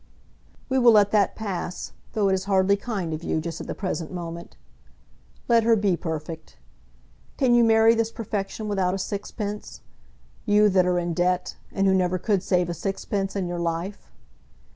"We will let that pass, though it is hardly kind of you, just at the present moment. Let her be perfect. Can you marry this perfection without a sixpence, you that are in debt, and who never could save a sixpence in your life?